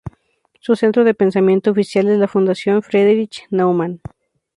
Su centro de pensamiento oficial es la Fundación Friedrich Naumann.